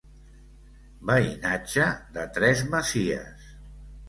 Veïnatge de tres masies.